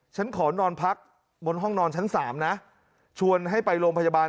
ฉันขอนอนพักบนห้องนอนชั้น๓นะชวนให้ไปโรงพยาบาล